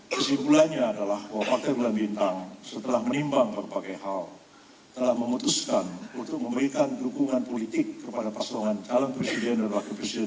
kesimpulannya adalah bahwa partai bulan bintang setelah menimbang berbagai hal